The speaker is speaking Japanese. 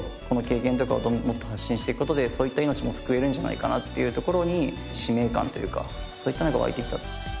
この経験とかをもっと発信していく事でそういった命も救えるんじゃないかなっていうところに使命感というかそういったのが湧いてきた。